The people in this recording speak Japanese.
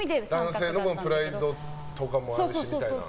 男性のプライドとかもあるしみたいな。